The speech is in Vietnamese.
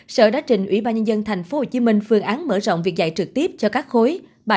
sở đã trình ủy ban nhân dân tp hcm phương án mở rộng việc dạy trực tiếp cho các khối bảy tám một mươi một mươi một